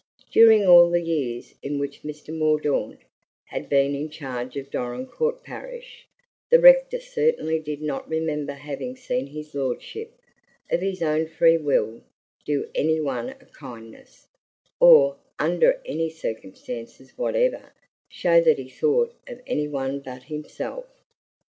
During all the years in which Mr. Mordaunt had been in charge of Dorincourt parish, the rector certainly did not remember having seen his lordship, of his own free will, do any one a kindness, or, under any circumstances whatever, show that he thought of any one but himself.